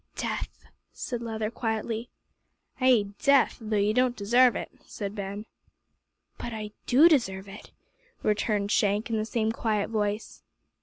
"Death," said Leather quietly. "Ay, death; though ye don't desarve it," said Ben. "But I do deserve it," returned Shank in the same quiet voice.